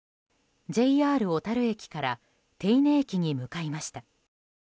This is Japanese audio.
ＪＲ小樽駅から手稲駅に向かいました。